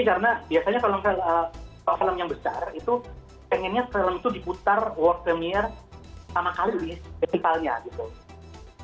karena biasanya kalau film yang besar itu pengennya film itu diputar world premiere sama kali di festivalnya gitu